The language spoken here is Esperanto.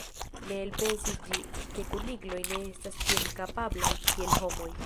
Ne elpensis ĝi, ke kunikloj ne estas tiom kapablaj kiel homoj.